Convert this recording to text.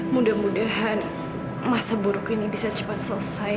mudah mudahan masa buruk ini bisa cepat selesai